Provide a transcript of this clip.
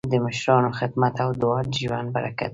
د مشرانو خدمت او دعا د ژوند برکت دی.